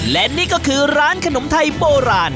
และนี่ก็คือร้านขนมไทยโบราณ